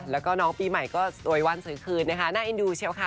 แล้วก็น้องปีใหม่ก็สวยวันสวยคืนนะคะน่าเอ็นดูเชียวค่ะ